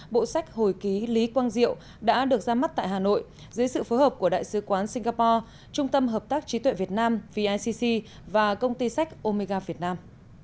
bộ sách hồi ký quang diệu đã được ra mắt tại hà nội dưới sự phối hợp của đại sứ quán singapore trung tâm hợp tác trí tuệ việt nam vicc và công ty sách omega việt nam